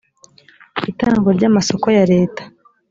itangwa ry’ amasoko ya leta